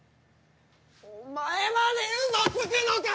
お前までウソつくのか！